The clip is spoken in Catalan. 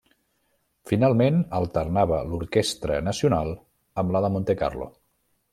Finalment, alternava l'Orquestra Nacional amb la de Montecarlo.